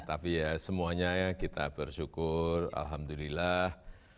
tapi ya semuanya ya kita bersyukur alhamdulillah